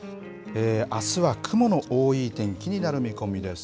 あすは雲の多い天気になる見込みです。